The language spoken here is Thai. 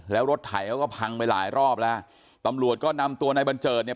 แล้วรถไถเขาก็พังไปหลายรอบแล้วตำรวจก็นำตัวนายบัญเจิดเนี่ย